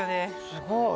すごい。